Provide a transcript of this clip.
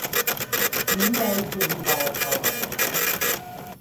तिमीलाई केही उपाय छ भने भन ।